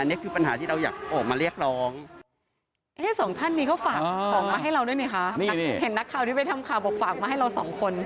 นี่คือปัญหาที่เราอยากออกมาเรียกร้อง